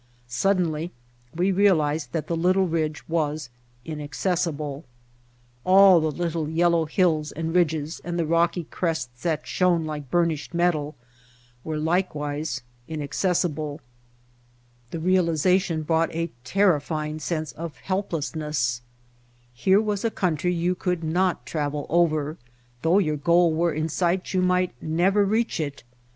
Sud denly we realized that the little ridge was inac cessible; all the little yellow hills and ridges, and the rocky crests that shone like burnished metal, were likewise inaccessible. The realiza tion brought a terrifying sense of helplessness. The White Heart Here was a country you could not travel over: though your goal were in sight you might never reach it.